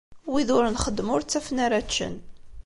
Wid ur nxeddem ur ttafen ara ččen.